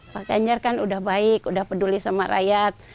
pak ganjar kan sudah baik sudah peduli sama rakyat